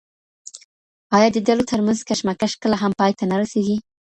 ايا د ډلو ترمنځ کشمکش کله هم پای ته نه رسېږي؟